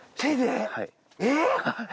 えっ！？